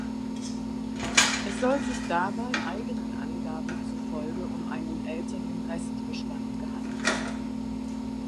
Es soll sich dabei, eigenen Angaben zufolge, um einen älteren Restbestand gehandelt haben.